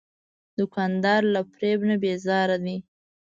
دوکاندار له فریب نه بیزاره دی.